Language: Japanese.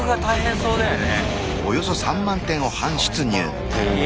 そうだね。